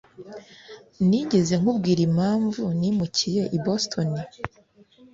Nigeze nkubwira impamvu nimukiye i Boston?